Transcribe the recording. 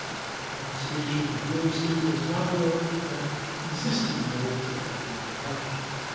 The confiscation of real estate does not however affect existing rights affecting the property.